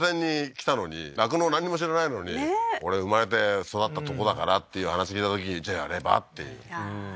来たのに酪農なんにも知らないのにねえ「俺生まれて育ったとこだから」っていう話聞いたとき「じゃあやれば？」っていういやー